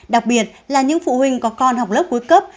đặc biệt là những phụ huynh có con học lớp cuối cấp